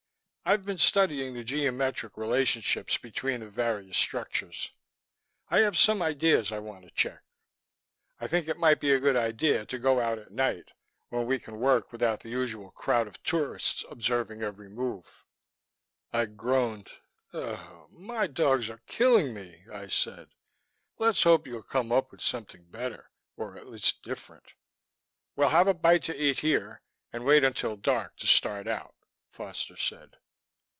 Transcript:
I've been studying the geometric relationships between the various structures; I have some ideas I want to check. I think it might be a good idea to go out at night, when we can work without the usual crowd of tourists observing every move." I groaned. "My dogs are killing me," I said. "Let's hope you'll come up with something better or at least different." "We'll have a bite to eat here, and wait until dark to start out," Foster said.